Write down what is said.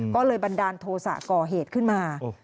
ก็เลยบันดาลโทษะก่อเหตุขึ้นมา